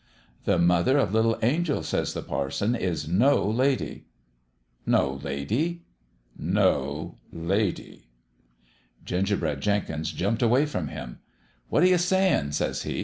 "' The mother o' little Angel,' says the parson, * is no lady.' "' No lady ?'"' No lady.' " Gingerbread Jenkins jumped away from him. 'What you say in'?' says he.